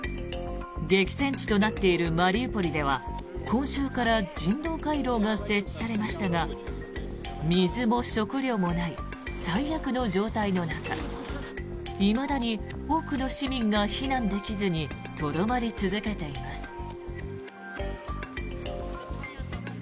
激戦地となっているマリウポリでは今週から人道回廊が設置されましたが水も食料もない最悪の状態の中いまだに多くの市民が避難できずにとどまり続けています。